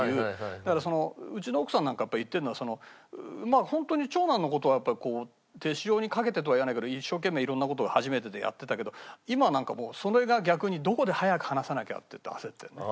だからうちの奥さんなんかやっぱり言ってるのは本当に長男の事はやっぱり手塩にかけてとは言わないけど一生懸命いろんな事が初めてでやってたけど今はなんかもうそれが逆にどこで早く離さなきゃって言って焦ってるね。